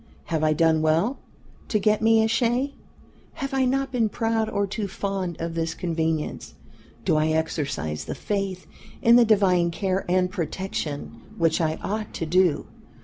Have I done well to get me a shay? Have I not been proud or too fond of this convenience? Do I exercise the faith in the divine care and protection which I ought to do?